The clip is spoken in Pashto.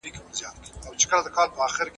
آیا سره زر تر سپینو زرو درانه دي؟